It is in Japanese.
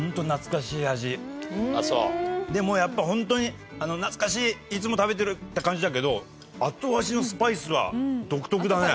でもやっぱりホントに懐かしいいつも食べてるって感じだけどあとからきますよね。